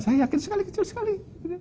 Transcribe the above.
saya yakin sekali kecil sekali